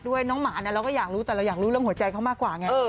ด้วยน้องหมาแล้วเราก็อยากรู้แต่หอยั่งรู้เรื่องหัวใจเขามากกว่าไง